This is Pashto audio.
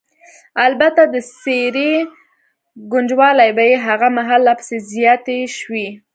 البته د څېرې ګونجوالې به یې هغه مهال لا پسې زیاتې شوې.